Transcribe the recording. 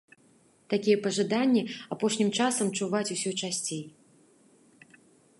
Такія пажаданні апошнім часам чуваць усё часцей.